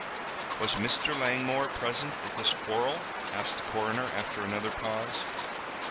"Was Mr. Langmore present at this quarrel?" asked the coroner, after another pause.